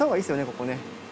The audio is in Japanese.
ここね。